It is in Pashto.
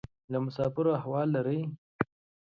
له مسافرو احوال لرې؟